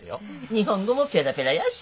日本語もペラペラやし。